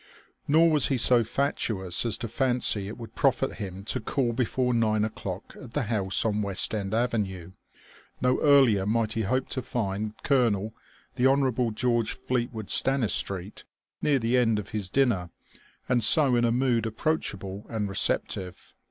Nor was he so fatuous as to fancy it would profit him to call before nine o'clock at the house on West End Avenue. No earlier might he hope to find Colonel the Honourable George Fleetwood Stanistreet near the end of his dinner, and so in a mood approachable and receptive.